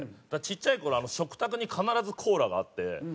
だからちっちゃい頃食卓に必ずコーラがあって。